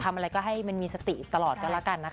ทำอะไรก็ให้มันมีสติตลอดก็แล้วกันนะคะ